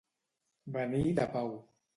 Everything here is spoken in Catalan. Venir de pau.